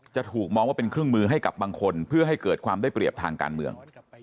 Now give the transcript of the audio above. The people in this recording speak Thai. จะถูกมองว่าเป็นเครื่องมือให้กับบางคนเพื่อให้เกิดความได้เปรียบทางการเมือง